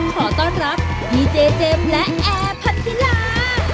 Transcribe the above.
ขอต้อนรับดีเจเจมส์และแอร์พัทธิลา